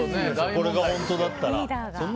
これが本当だったら。